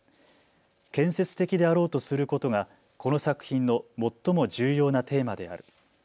建設的であろうとすることがこの作品の最も重要なテーマである。